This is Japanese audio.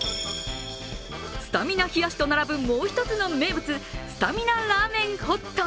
スタミナ冷やしと並ぶもう一つの名物、スタミナラーメンホット。